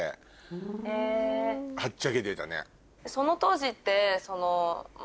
はっちゃけてたね。